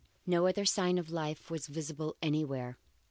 No other sign of life was visible anywhere.